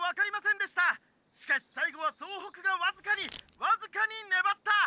しかし最後は総北がわずかにわずかにねばった！！」